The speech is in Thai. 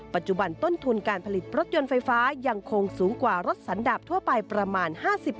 ปัจจุบันต้นทุนการผลิตรถยนต์ไฟฟ้ายังคงสูงกว่ารถสันดับทั่วไปประมาณ๕๐